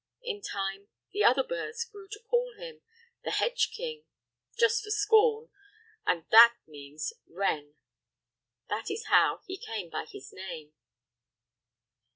In time the other birds grew to call him the "Hedge king," just for scorn, and that means "Wren." That is how he came by his name.